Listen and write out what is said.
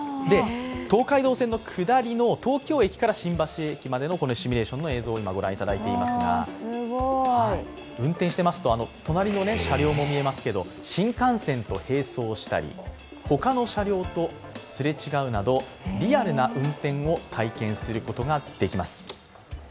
東海道線の下りの東京駅から新橋駅のシミュレーションの映像を今、ご覧いただいていますが、運転していますと隣の車両も見えますけど、新幹線と並走したり、他の車両とすれ違うなどリアルな運転を体験することができます。